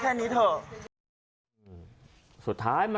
ก็แค่มีเรื่องเดียวให้มันพอแค่นี้เถอะ